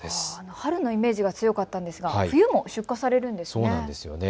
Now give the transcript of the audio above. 春のイメージが強かったんですが冬も出荷されるんですね。